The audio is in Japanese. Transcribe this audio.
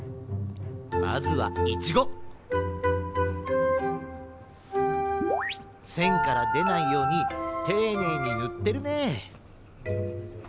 まずはイチゴ！せんからでないようにていねいにぬってるね！